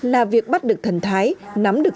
là việc bắt được thần thái nắm được